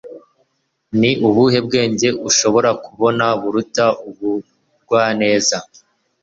ni ubuhe bwenge ushobora kubona buruta ubugwaneza